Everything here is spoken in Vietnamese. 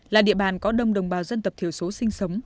là địa bàn có đông đồng bào dân tộc thiểu số sinh sống